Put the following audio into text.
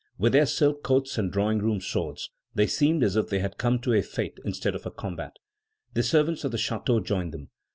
With their silk coats and drawing room swords, they seemed as if they had come to a fête instead of a combat. The servants of the chateau joined them.